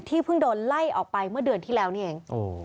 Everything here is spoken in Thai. เพิ่งโดนไล่ออกไปเมื่อเดือนที่แล้วนี่เอง